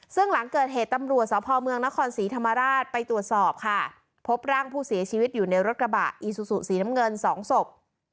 ซึ่งหลังเกิดเหตุตำรวจสพเมืองนครศรีธรรมราชไปตรวจสอบค่ะพบร่างผู้เสียชีวิตอยู่ในรถกระบะอีซูซูสีน้ำเงินสองศพ